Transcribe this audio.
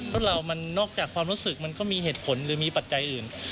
เรามันนอกจากความรู้สึกมันก็มีเหตุผลหรือมีปัจจัยอื่น